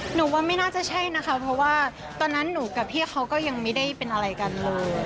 หนูว่าไม่น่าจะใช่นะคะเพราะว่าตอนนั้นหนูกับพี่เขาก็ยังไม่ได้เป็นอะไรกันเลย